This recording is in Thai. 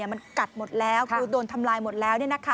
มันกัดหมดแล้วคือโดนทำลายหมดแล้ว